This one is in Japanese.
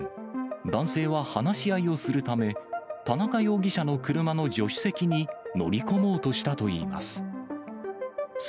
男性は話し合いをするため、田中容疑者の車の助手席に乗り込もうとしたといいます。